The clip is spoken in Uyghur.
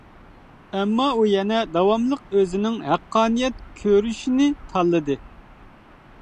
ئەمما ئۇ يەنە داۋاملىق ئۆزىنىڭ ھەققانىيەت كۆرۈشنى تاللىدى.